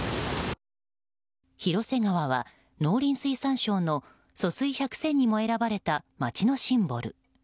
広瀬川は農林水産省の疏水百選にも選ばれた町のシンボル。